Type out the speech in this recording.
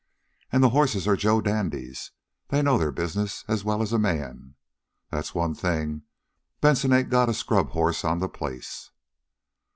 An' the horses are Joe dandies. They know their business as well as a man. That's one thing, Benson ain't got a scrub horse on the place."